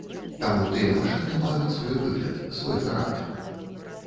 Таму тыя машыны маюць свой выгляд, свой характар.